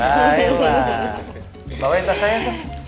baiklah bawain tas saya dong